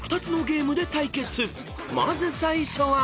［まず最初は］